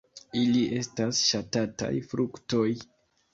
Ili estas ŝatataj fruktoj.